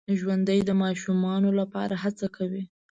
ژوندي د ماشومانو لپاره هڅه کوي